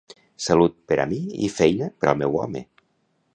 Salut per a mi i feina per al meu home!